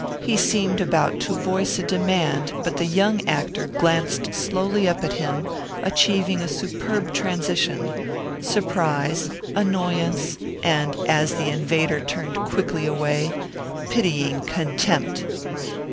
He seemed about to voice a demand, but the young actor glanced slowly up at him, achieving a superb transition surprise, annoyance, and, as the invader turned quickly away, pitying contempt.